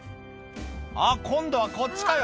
「あっ今度はこっちかよ